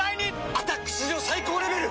「アタック」史上最高レベル！